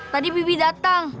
tadi bibi datang